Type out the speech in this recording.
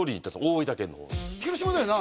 大分県の方に広島だよな？